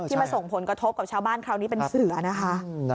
มาส่งผลกระทบกับชาวบ้านคราวนี้เป็นเสือนะคะ